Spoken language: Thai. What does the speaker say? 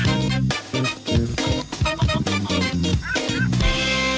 อืมนอกค่ะ